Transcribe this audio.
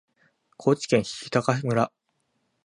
高知県日高村